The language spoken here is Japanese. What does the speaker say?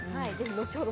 後ほど